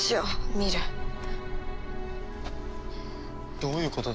どういうことだ？